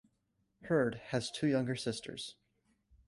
Hird has two younger sisters.